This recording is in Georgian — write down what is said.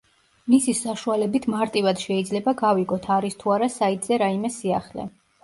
მისი საშუალებით მარტივად შეიძლება გავიგოთ არის თუ არა საიტზე რაიმე სიახლე.